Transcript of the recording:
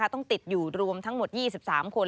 ต้องติดอยู่รวมทั้งหมด๒๓คน